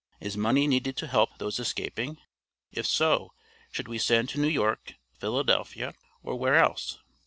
Is money needed to help those escaping? If so, should we send to New York, Philadelphia, or where else?